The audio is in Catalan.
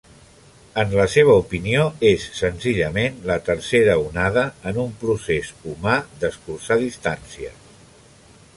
En la seva opinió, és senzillament la tercera onada en un procés humà d'escurçar distàncies.